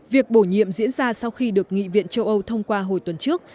việc bổ nhiệm diễn ra sau khi được nghị viện châu âu thông qua hồi tuần trước